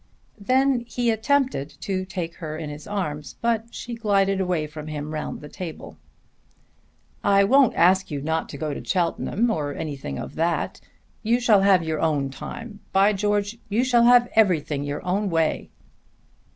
Then he attempted to take her in his arms but she glided away from him round the table. "I won't ask you not to go to Cheltenham, or anything of that. You shall have your own time. By George you shall have everything your own way."